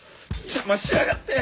邪魔しやがって！